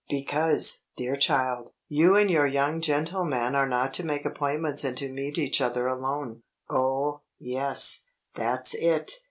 Because, dear child, you and your young gentleman are not to make appointments and to meet each other alone. Oh, yes that's it!